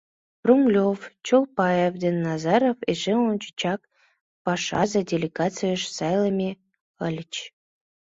Румелёв, Чолпаев ден Назаров эше ончычак пашазе делегацийыш сайлыме ыльыч.